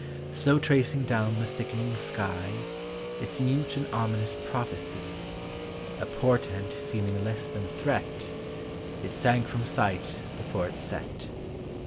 Slow tracing down the thickening sky Its mute and ominous prophecy, A portent seeming less than threat, It sank from sight before it set.